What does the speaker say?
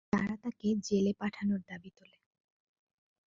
তারা তাঁকে জেলে পাঠানোর দাবী তোলে।